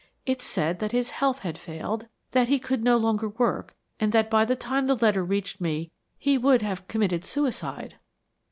It said that his health had failed, that he could no longer work, and that by the time the letter reached me he world have committed suicide."